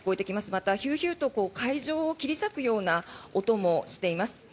またヒューヒューと海上を切り裂くような音もしています。